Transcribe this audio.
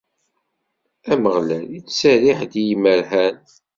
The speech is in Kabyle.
Ameɣlal ittserriḥ-d i yimerhan.